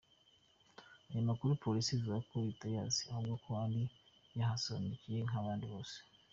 Ayo makuru Polisi ivuga ko itayazi ahubwo ko yari yahasohokeye nk’abandi bose.